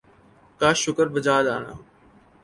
کا شکر بجا لانے